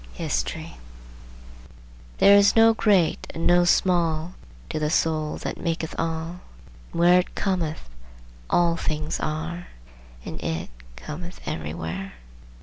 HISTORY There is no great and no small To the Soul that maketh all: And where it cometh, all things are And it cometh everywhere.